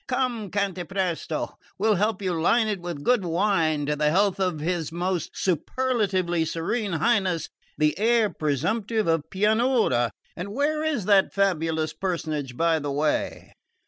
"Come, Cantapresto, we'll help you line it with good wine, to the health of his most superlatively serene Highness, the heir presumptive of Pianura; and where is that fabulous personage, by the way?"